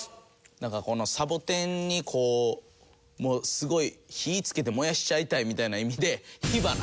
なんかこのサボテンにこうもうすごい火つけて燃やしちゃいたいみたいな意味で。